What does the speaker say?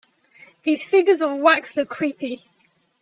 These figures of wax look creepy.